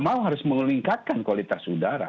mau harus meningkatkan kualitas udara